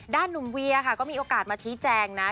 หนุ่มเวียค่ะก็มีโอกาสมาชี้แจงนะ